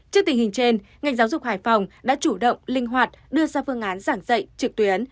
trước tình hình trên ngành giáo dục hải phòng đã chủ động linh hoạt đưa ra phương án giảng dạy trực tuyến